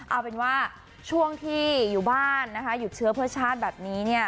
เอาเป็นว่าช่วงที่อยู่บ้านนะคะหยุดเชื้อเพื่อชาติแบบนี้เนี่ย